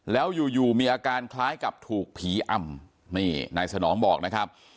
แล้วอยู่อยู่มีอาการคล้ายกับถูกผีอำนี่นายสนองบอกนะครับ